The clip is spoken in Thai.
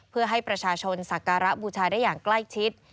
เพื่อให้ประชาชนสักการะบูชาได้อย่างใกล้ชิด